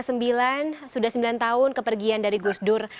sudah sembilan tahun kepergian dari gus dur